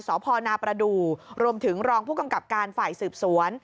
สพนประดูกรวมถึงรองผู้กำกับการฝ่ายสืบสวน